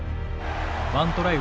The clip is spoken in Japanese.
１トライ